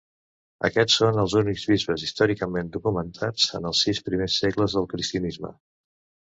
Aquests són els únics bisbes històricament documentats en els sis primers segles del cristianisme.